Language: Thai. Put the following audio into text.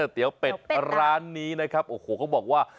เตี๋ยวเป็ดร้านนี้นะครับโอ้โหเขาบอกว่า